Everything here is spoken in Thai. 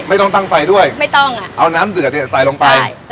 ไม่ต้องตั้งไฟด้วยไม่ต้องอ่ะเอาน้ำเดือดเนี่ยใส่ลงไปใช่